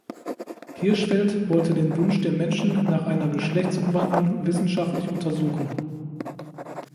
Hirschfeld wollte den Wunsch der Menschen nach einer „Geschlechtsumwandlung“ wissenschaftlich untersuchen.